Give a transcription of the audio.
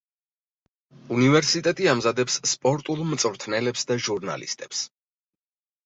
უნივერსიტეტი ამზადებს სპორტულ მწვრთნელებს და ჟურნალისტებს.